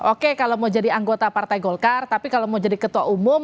oke kalau mau jadi anggota partai golkar tapi kalau mau jadi ketua umum